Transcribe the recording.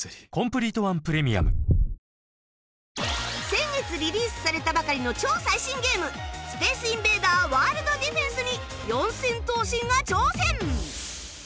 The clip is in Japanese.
先月リリースされたばかりの超最新ゲームスペースインベーダーワールドディフェンスに四千頭身が挑戦！